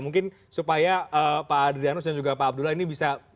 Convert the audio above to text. mungkin supaya pak adrianus dan juga pak abdullah ini bisa